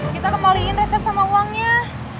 kita kembaliin resep sama uangnya